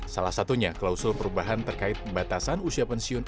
salah satunya klausul perubahan terkait batasan usia pensiun